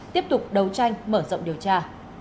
tiếp tục đấu tranh mở rộng điều tra